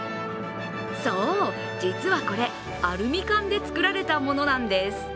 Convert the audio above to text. そう、実はこれ、アルミ缶で作られたものなんです。